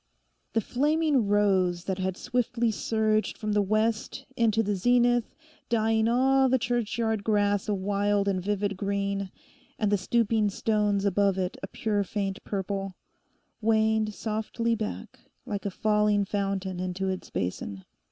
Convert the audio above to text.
The flaming rose that had swiftly surged from the west into the zenith, dyeing all the churchyard grass a wild and vivid green, and the stooping stones above it a pure faint purple, waned softly back like a falling fountain into its basin.